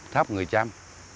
tháp người trăm